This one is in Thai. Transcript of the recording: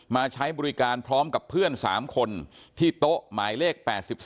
ใช้บริการพร้อมกับเพื่อน๓คนที่โต๊ะหมายเลข๘๒